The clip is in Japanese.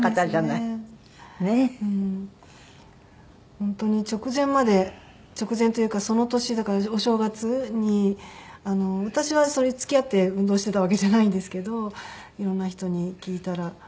本当に直前まで直前というかその年だからお正月に私はそれに付き合って運動していたわけじゃないんですけど色んな人に聞いたら。